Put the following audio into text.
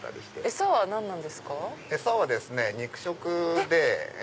餌はですね肉食で。